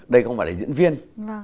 đây không phải là diễn viên